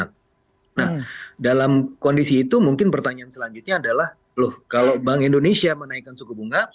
nah dalam kondisi itu mungkin pertanyaan selanjutnya adalah loh kalau bank indonesia menaikkan suku bunga